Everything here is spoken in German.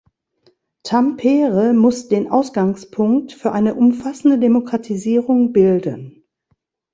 Tampere muss den Ausgangspunkt für eine umfassende Demokratisierung bilden.